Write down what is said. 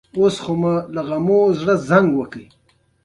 سترګې پټې کړې